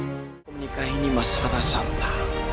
aku menikahi nimas ratasanta